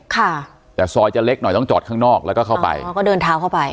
ค่ะแต่ซอยจะเล็กหน่อยต้องจอดข้างนอกแล้วก็เข้าไปอ๋อก็เดินเท้าเข้าไป